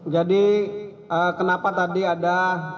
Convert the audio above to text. jadi kenapa tadi ada